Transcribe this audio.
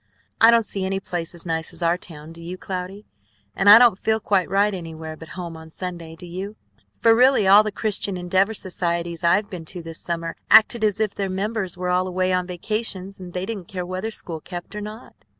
"I don't see any place as nice as our town, do you, Cloudy? And I don't feel quite right anywhere but home on Sunday, do you? For, really, all the Christian Endeavor societies I've been to this summer acted as if their members were all away on vacations and they didn't care whether school kept or not."